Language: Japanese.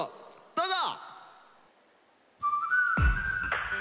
どうぞ！